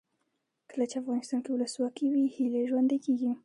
کله چې افغانستان کې ولسواکي وي هیلې ژوندۍ کیږي.